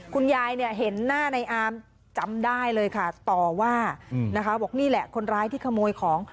คุณยายเนี่ยเห็นหน้าในอามจำได้เลยค่ะต่อว่านะคะบอกนี่แหละคนร้ายที่ขโมยของ